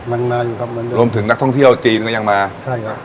มันมาอยู่ครับมันอยู่รวมถึงนักท่องเที่ยวจีนก็ยังมาใช่ครับ